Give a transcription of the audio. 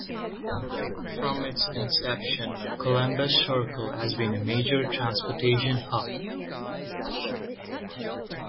From its inception, Columbus Circle has been a major transportation hub.